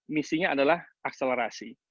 misinya adalah akselerasi